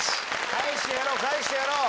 返してやろう返してやろう・